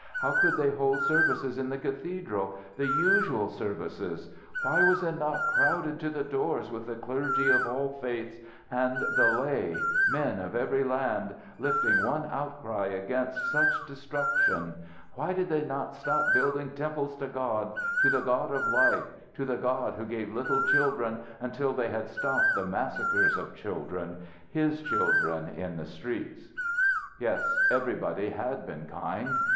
How could they hold services in the cathedral the usual services? Why was it not crowded to the doors with the clergy of all faiths and the laymen of every land, lifting one outcry against such destruction? Why did they not stop building temples to God, to the God of life, to the God who gave little children, until they had stopped the massacre of children, His children in the streets! Yes; everybody had been kind.